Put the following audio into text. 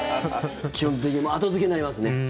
基本的に後付けになりますね。